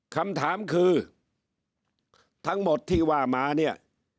คำถามคือทั้งหมดที่ว่ามาเนี่ย